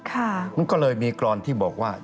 มันก็เลยมีกรอนที่บอกว่า